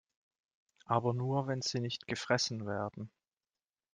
Aber nur, wenn sie nicht gefressen werden.